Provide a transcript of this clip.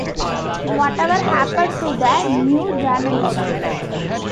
Whatever happened to the New Journalism?